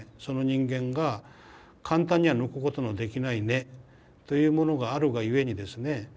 その人間が簡単には抜くことのできない根というものがあるがゆえにですね